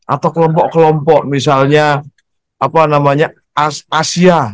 atau kelompok kelompok misalnya asia